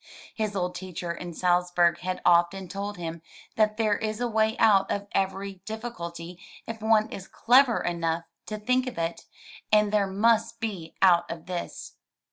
His old teacher in Salzburg had often told him that there is a way out of every difficulty if one is clever enough to think of it, and there must be out of this.